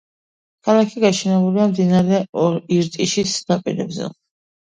ქალაქი გაშენებულია მდინარე ირტიშის ნაპირებზე.